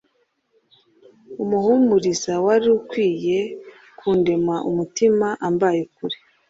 umuhumuriza wari ukwiriye kundema umutima ambaye kure.